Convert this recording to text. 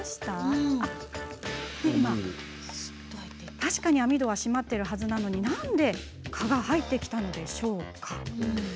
確かに網戸は閉まっているはずなのになんで蚊が入ってきてしまったのでしょうか。